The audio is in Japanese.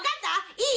いい？